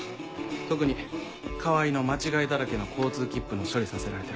特に川合の間違いだらけの交通切符の処理させられてる時。